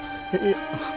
tidak tidak tidak